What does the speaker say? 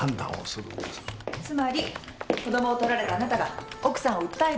つまり子供を取られたあなたが奥さんを訴えるわけ。